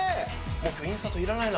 今日インサートいらないな